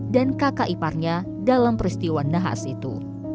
dan kakak iparnya dalam peristiwa nahas itu